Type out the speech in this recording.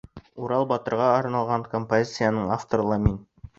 Урал батырға арналған композицияның авторы ла мин.